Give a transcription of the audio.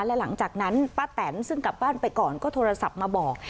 และหลังจากนั้นป้าแตนซึ่งกลับบ้านไปก่อนก็โทรศัพท์มาบอก